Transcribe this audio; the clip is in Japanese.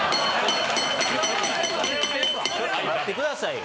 待ってくださいよ。